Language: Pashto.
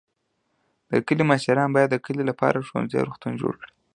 د کلي مشران باید د کلي لپاره ښوونځی او روغتون جوړ کړي.